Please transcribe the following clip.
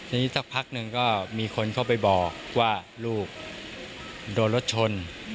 ทีนี้สักพักหนึ่งก็มีคนเข้าไปบอกว่าลูกโดนรถชน